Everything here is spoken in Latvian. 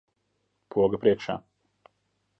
Poga priekšā.